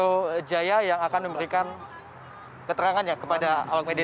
metro jaya yang akan memberikan keterangannya kepada awam media